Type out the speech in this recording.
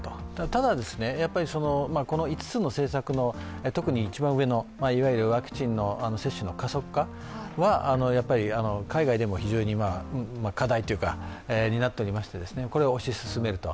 ただ、この５つの政策の特に一番上ワクチンの接種の加速化は海外でも非常に課題になっておりましてこれを推し進めると。